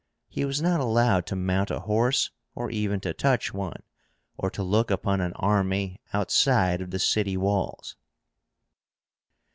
He was not allowed to mount a horse, or even to touch one, or to look upon an army outside of the city walls.